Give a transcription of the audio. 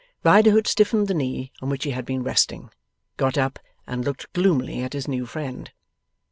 Riderhood stiffened the knee on which he had been resting, got up, and looked gloomily at his new friend.